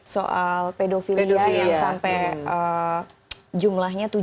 soal pedofilia yang sampai jumlahnya tujuh ribu orang